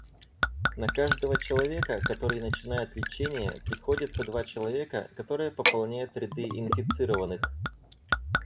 На каждого человека, который начинает лечение, приходятся два человека, которые пополняют ряды инфицированных.